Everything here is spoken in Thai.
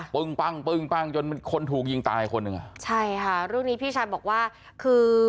พรรดิมันคนโท้กยิงตายครับค่ะชัยค่ะรู้นี้พี่ชัยบอกว่าคือ